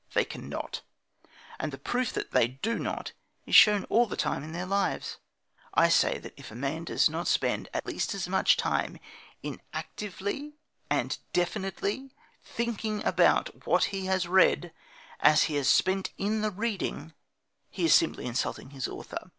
They cannot. And the proof that they do not is shown all the time in their lives. I say that if a man does not spend at least as much time in actively and definitely thinking about what he has read as he has spent in reading, he is simply insulting his author.